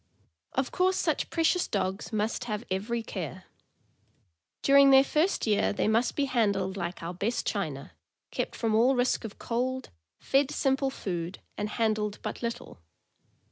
Of course such precious dogs must have every care. During their first year they must be handled like our "best china," kept from all risk of cold, fed simple food, and handled but little.